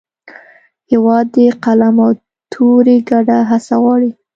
هېواد د قلم او تورې ګډه هڅه غواړي.